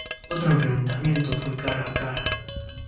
Otro enfrentamiento fue cara a cara...